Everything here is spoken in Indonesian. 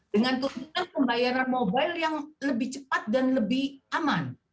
dengan tuntutan pembayaran mobile yang lebih cepat dan lebih aman